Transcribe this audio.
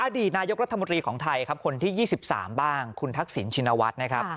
อดีตนายกรัฐมนตรีของไทยครับคนที่๒๓บ้างคุณทักษิณชินวัฒน์นะครับ